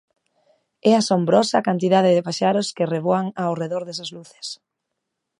É asombrosa a cantidade de paxaros que revoan ao redor desas luces.